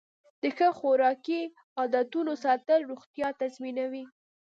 د ښه خوراکي عادتونو ساتل روغتیا تضمینوي.